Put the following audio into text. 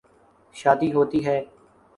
شادی ہوتی ہے۔